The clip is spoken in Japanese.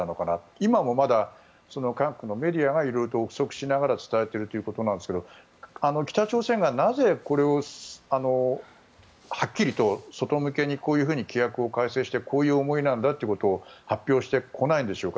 今もまだ韓国メディアが憶測しながら伝えているということですが北朝鮮がなぜ、これをはっきりと外向けにこういうふうに規約を改正してこういう思いだと発表してこないんでしょうか。